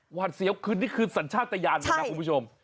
เสียวคือนี่คือสัญชาติยานเลยนะคุณผู้ชม